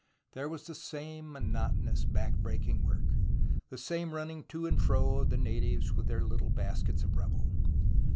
There was the same monotonous, back aching work, the same run ning to and fro of the natives with their httle baskets of rubble.